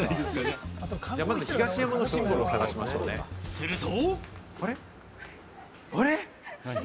すると。